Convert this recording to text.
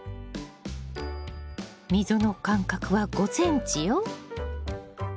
溝の間隔は５ｃｍよ。